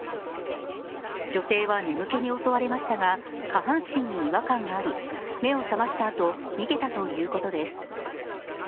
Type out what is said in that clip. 女性は眠気に襲われましたが下半身に違和感があり目を覚ましたあと逃げたということです。